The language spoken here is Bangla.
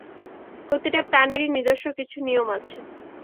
প্রতিটা প্রাণীরই নিজস্ব নিছু নিয়ম আছে।